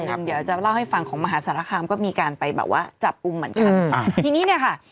เดี๋ยวจะเล่าให้ฟังของมหาศาลคามก็มีการไปแบบว่าจับอุ้มเหมือนกัน